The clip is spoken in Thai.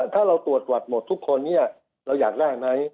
ถ้าเราตรวจวัดหมดทุกคนเนี่ยเราอยากแลกไหม